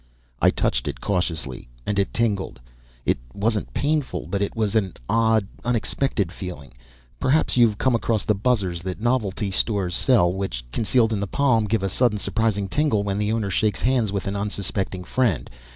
I touched it cautiously, and it tingled. It wasn't painful, but it was an odd, unexpected feeling perhaps you've come across the "buzzers" that novelty stores sell which, concealed in the palm, give a sudden, surprising tingle when the owner shakes hands with an unsuspecting friend.